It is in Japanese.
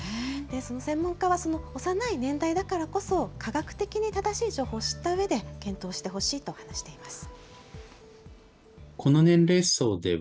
その専門家は幼い年代だからこそ、科学的に正しい情報を知ったうえで検討してほしいとしています。